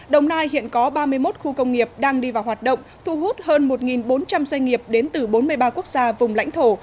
đồng nai hiện có ba mươi một khu công nghiệp đang đi vào hoạt động thu hút hơn một bốn trăm linh doanh nghiệp đến từ bốn mươi ba quốc gia vùng lãnh thổ